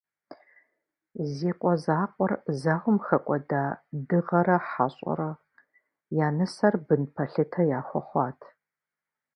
Зи къуэ закъуэр зауэм хэкӏуэда Дыгъэрэ Хьэщӏэрэ я нысэр бын пэлъытэ яхуэхъуат.